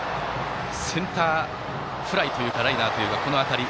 センターフライというかライナーという当たり。